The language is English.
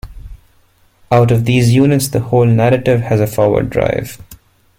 Out of these units, the whole narrative has a forward drive.